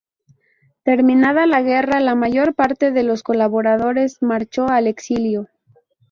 Terminada la guerra la mayor parte de los colaboradores marchó al exilio.